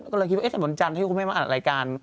ก็เลยคิดว่าเศพร้อนจันทร์เขาให้มาอ่านรายการ